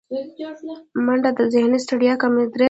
منډه د ذهني ستړیا کموي